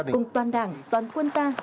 cùng toàn đảng toàn quân ta